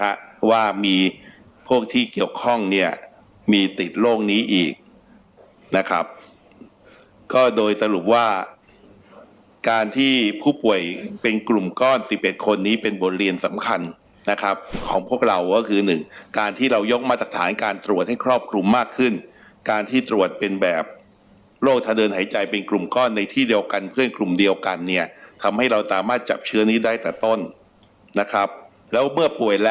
เพราะว่ามีพวกที่เกี่ยวข้องเนี่ยมีติดโรคนี้อีกนะครับก็โดยสรุปว่าการที่ผู้ป่วยเป็นกลุ่มก้อนสิบเอ็ดคนนี้เป็นบทเรียนสำคัญนะครับของพวกเราก็คือหนึ่งการที่เรายกมาตรฐานการตรวจให้ครอบคลุมมากขึ้นการที่ตรวจเป็นแบบโรคทะเดินหายใจเป็นกลุ่มก้อนในที่เดียวกันเพื่อนกลุ่มเดียวกันเนี่ยทำให้เราสามารถจับเชื้อนี้ได้แต่ต้นนะครับแล้วเมื่อป่วยแล้ว